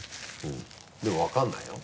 でも分かんないよ。